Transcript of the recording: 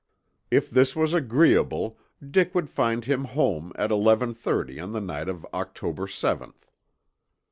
If this was agreeable Dick would find him home at eleven thirty on the night of October seventh.